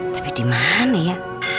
tapi dimana ya